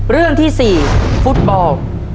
เรื่องที่๔ฟุตบอล